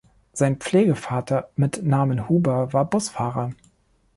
Sein Pflegevater mit Namen Huber war Busfahrer.